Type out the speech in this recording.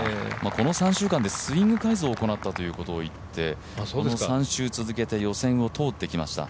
この３週間でスイング改造を行ったと言ってこの３週続けて予選を通ってきました。